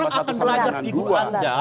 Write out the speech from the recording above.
karena orang akan belajar tiga